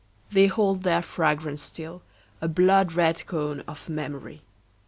They hold their fragrance still, a blood red cone Of memory.